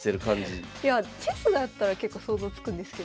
いやチェスだったら結構想像つくんですけど。